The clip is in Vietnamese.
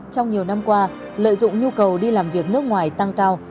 trong nhiều năm qua lợi dụng nhu cầu đi làm việc nước ngoài tăng cao